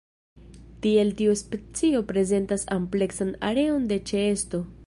Tiel tiu specio prezentas ampleksan areon de ĉeesto.